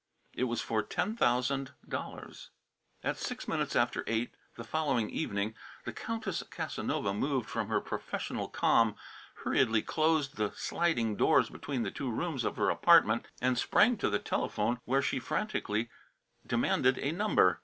It was for ten thousand dollars. At six minutes after eight the following evening the Countess Casanova, moved from her professional calm, hurriedly closed the sliding doors between the two rooms of her apartment and sprang to the telephone where she frantically demanded a number.